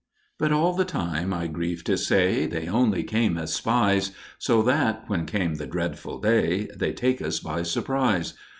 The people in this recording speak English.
But all the time, I grieve to say, they only came as spies, So that, when came the dreadful "Day," they'd take us by surprise.